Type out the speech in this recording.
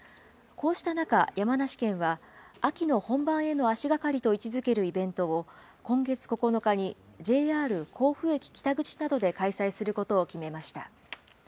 こうした中、山梨県は、秋の本番への足がかりと位置づけるイベントを、今月９日にＪＲ甲府駅北口などで開催することを決めました。